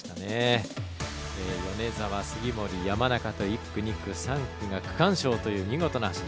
米澤、杉森、山中と１区、２区、３区が区間賞という見事な走り。